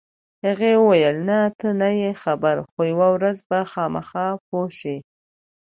هغې وویل: نه، ته نه یې خبر، خو یوه ورځ به خامخا پوه شې.